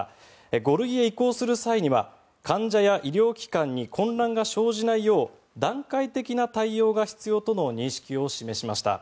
５類へ移行する際には患者や医療機関に混乱が生じないよう段階的な対応が必要との認識を示しました。